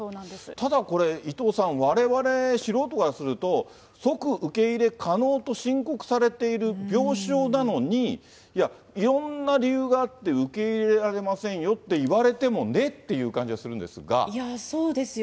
ただこれ、伊藤さん、われわれ素人からすると、即受け入れ可能と申告されている病床なのに、いろんな理由があって受け入れられませんよって言われてもねってそうですよ。